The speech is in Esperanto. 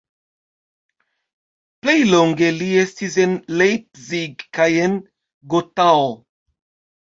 Plej longe li estis en Leipzig kaj en Gotao.